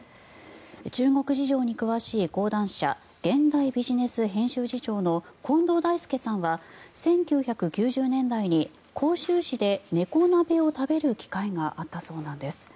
中国事情に詳しい講談社現代ビジネス編集次長の近藤大介さんは１９９０年代に広州市で猫鍋を食べる機会があったそうです。